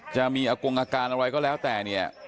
จะมีโอกงกันอะไรก็แล้วแต่